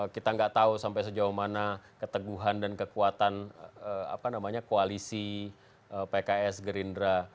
kita nggak tahu sampai sejauh mana keteguhan dan kekuatan koalisi pks gerindra